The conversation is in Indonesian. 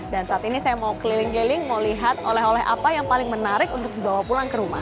dan saat ini saya mau keliling keliling mau lihat oleh oleh apa yang paling menarik untuk bawa pulang ke rumah